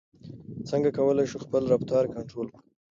څنګه کولای شو خپل رفتار کنټرول کړو؟